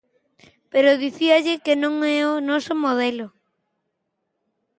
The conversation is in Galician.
Pero dicíalle que non é o noso modelo.